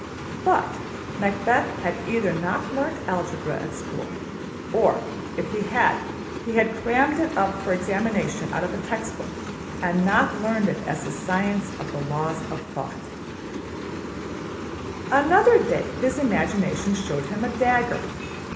'' But Macbeth had either not learnt algebra at school, or, if he had, he had only crammed it up for examination out of a textbook, and not learned it as the Science of the \emph{Laws of Thought}. Another day his imagination showed him a dagger.